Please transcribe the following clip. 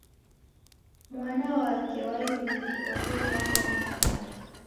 Mwana wake wa imbiri orew'angwagha Mwasaru.